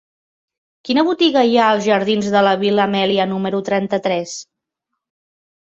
Quina botiga hi ha als jardins de la Vil·la Amèlia número trenta-tres?